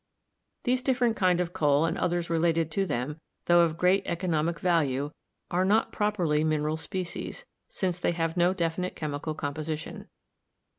These different kind of coal and others related to them, tho of great economic value, are not properly mineral species, since they have no definite chemical composition.